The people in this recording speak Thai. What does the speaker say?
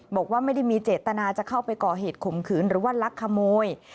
บอกว่าไม่ได้มีเจตนาจะเข้าไปก่อเหตุข่มขืนหรือว่าลักขโมย